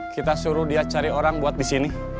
kita suruh dia cari orang buat disini